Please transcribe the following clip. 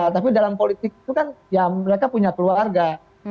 tapi dalam politik itu kan ya mereka punya keluarga